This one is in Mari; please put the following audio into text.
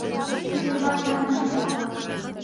Пире улат манын ом ман.